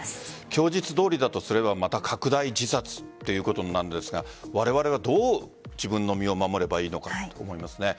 供述どおりだとすればまた拡大自殺ということになるんですがわれわれはどう自分の身を守ればいいのかと思います。